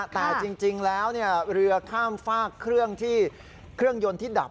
แต่จริงแล้วเรือข้ามฝากเครื่องที่เครื่องยนต์ที่ดับ